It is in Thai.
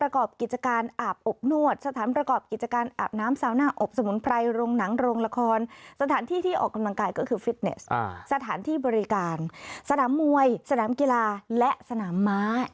เขาบอกปิดนะ